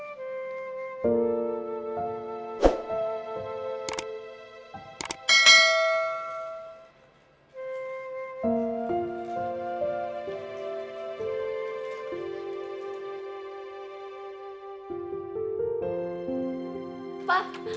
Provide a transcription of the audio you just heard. tolong jaga diri kalian baik baik